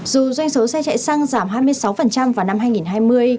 dù doanh số xe chạy xăng giảm hai mươi sáu vào năm hai nghìn hai mươi